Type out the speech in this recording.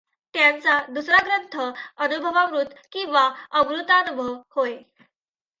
त्यांचा दुसरा ग्रंथ अनुभवामृत किंवा अमृतानुभव होय.